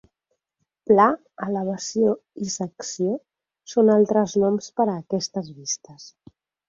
"Pla", "elevació" i "secció" són altres noms per a aquestes vistes.